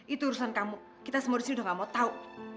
itu urusan kamu kita semua disini udah gak mau tahu